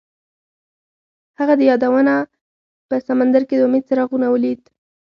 هغه د یادونه په سمندر کې د امید څراغ ولید.